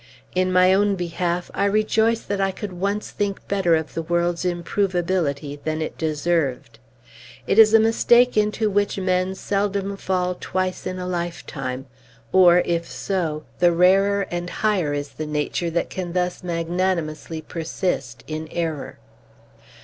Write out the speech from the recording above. In my own behalf, I rejoice that I could once think better of the world's improvability than it deserved. It is a mistake into which men seldom fall twice in a lifetime; or, if so, the rarer and higher is the nature that can thus magnanimously persist in error.